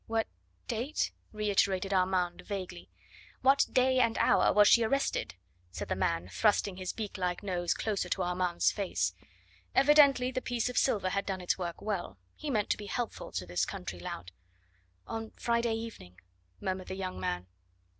"What date?" reiterated Armand vaguely. "What day and hour was she arrested?" said the man, thrusting his beak like nose closer to Armand's face. Evidently the piece of silver had done its work well; he meant to be helpful to this country lout. "On Friday evening," murmured the young man.